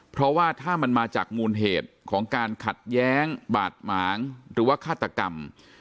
เพราะว่าถ้ามันมาจากมูลเหตุของการขัดแย้งบาดหมางหรือว่าฆาตกรรม